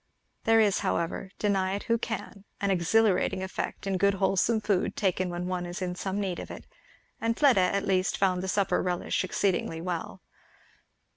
There is however, deny it who can, an exhilarating effect in good wholesome food taken when one is in some need of it; and Fleda at least found the supper relish exceeding well.